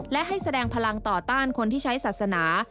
และให้แสดงพลังต่อต้านคนที่ใช้ศาสนา